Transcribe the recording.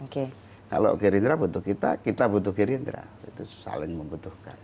kalau gerindra butuh kita kita butuh gerindra itu saling membutuhkan